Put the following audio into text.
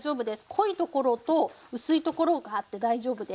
濃いところと薄いところがあって大丈夫です。